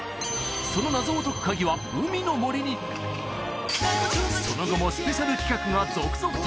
その謎を解くカギは海の森にその後もスペシャル企画が続々と！